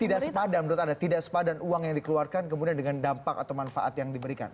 tidak sepadan menurut anda tidak sepadan uang yang dikeluarkan kemudian dengan dampak atau manfaat yang diberikan